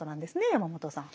山本さん。